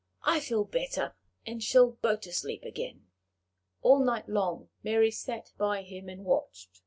I feel better, and shall go to sleep again." All night long Mary sat by him and watched.